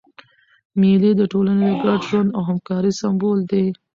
مېلې د ټولني د ګډ ژوند او همکارۍ سېمبول دي.